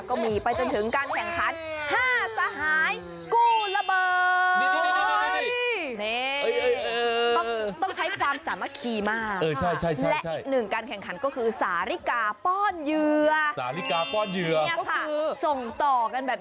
ก็มีไปจนถึงการแข่งขัน๕สหายกู้ระเบิด